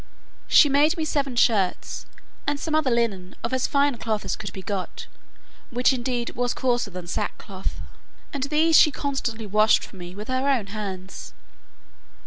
She made me seven shirts, and some other linen, of as fine cloth as could be got, which indeed was coarser than sackcloth; and these she constantly washed for me with her own hands.